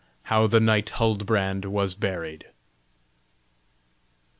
HOW THE KNIGHT HULDBRAND WAS BURIED.